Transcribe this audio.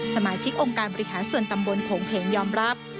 สมาชิกองค์การบริหารส่วนตำบลโขงเพงยอมรับ